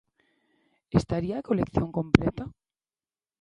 Estaría a colección completa?